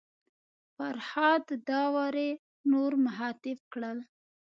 فرهاد داوري نور مخاطب کړل.